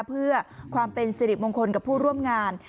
เพื่อความเป็นสิริมงคลกับผู้ร่วมงาน